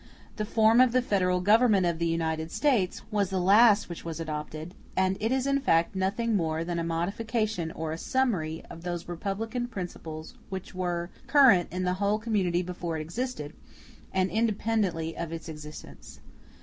The form of the Federal Government of the United States was the last which was adopted; and it is in fact nothing more than a modification or a summary of those republican principles which were current in the whole community before it existed, and independently of its existence.